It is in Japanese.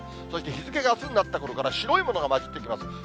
そして日付があすになったころから、白いものが交じってきます。